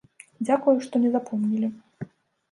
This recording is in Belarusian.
Дзякую, што не запомнілі.